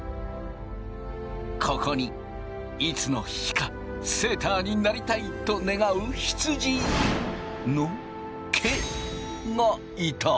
ここにいつの日かセーターになりたいと願う羊の毛がいた。